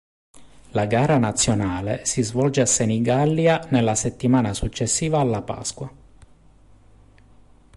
La gara nazionale si svolge a Senigallia nella settimana successiva alla Pasqua.